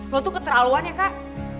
lo tuh keterlaluan ya kak